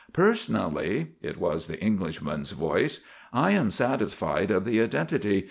"Personally," it was the Englishman's voice, "I am satisfied of the identity.